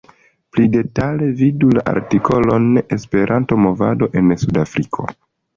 Pli detale vidu la artikolon "Esperanto-movado en Sud-Afriko".